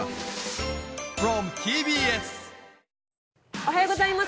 おはようございます。